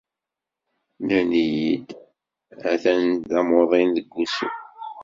Nnan-iyi-d atan d amuḍin deg wusu.